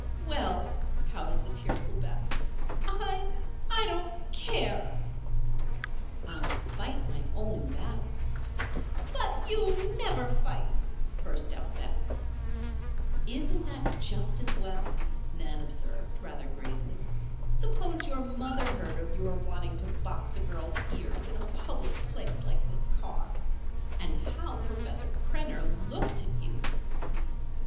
"Well," pouted the tearful Bess, "I I don't care!" "I'll fight my own battles." "But you never fight!" burst out Bess. "Isn't that just as well?" Nan observed, rather gravely. "Suppose your mother heard of your wanting to box a girl's ears in a public place like this car? And how Professor Krenner looked at you!"